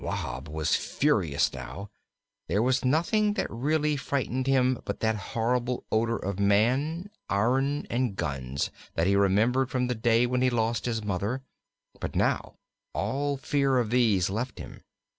Wahb was furious now. There was nothing that really frightened him but that horrible odor of man, iron, and guns, that he remembered from the day when he lost his Mother; but now all fear of these left him.